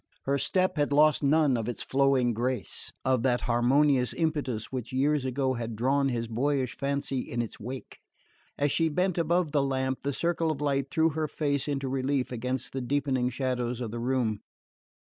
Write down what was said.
Her step had lost none of its flowing grace, of that harmonious impetus which years ago had drawn his boyish fancy in its wake. As she bent above the lamp, the circle of light threw her face into relief against the deepening shadows of the room.